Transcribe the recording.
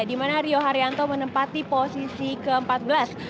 di mana rio haryanto menempati posisi ke empat belas